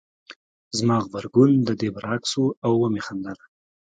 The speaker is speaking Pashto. زما غبرګون د دې برعکس و او ومې خندل